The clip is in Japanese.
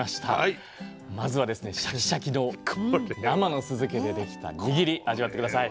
まずはですねシャキシャキの生の酢漬けでできたにぎり味わって下さい。